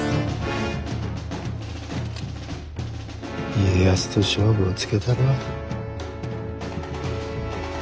家康と勝負をつけたるわ。